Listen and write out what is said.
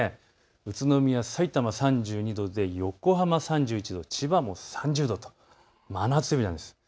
宇都宮、さいたま、３２度で横浜３１度、千葉も３０度と真夏日なんです。